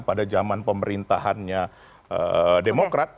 pada jaman pemerintahannya demokrat